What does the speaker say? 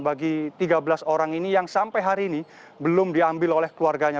bagi tiga belas orang ini yang sampai hari ini belum diambil oleh keluarganya